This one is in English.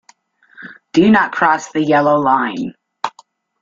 Do not cross the yellow line.